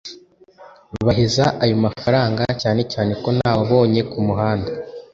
baheza ayo mafaranga cyanecyane ko ntawabonye Kamuhanda